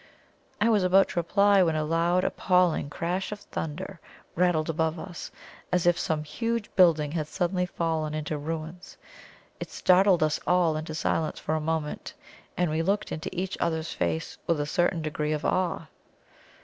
I was about to reply, when a loud, appalling crash of thunder rattled above us, as if some huge building had suddenly fallen into ruins. It startled us all into silence for a moment, and we looked into each other's faces with a certain degree of awe.